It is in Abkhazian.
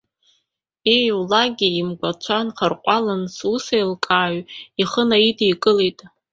Ииулак имгәацәа нхаирҟәалан, сусеилкааҩ ихы наидикылеит.